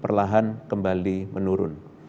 perlahan kembali menurun